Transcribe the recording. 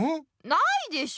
ないでしょ。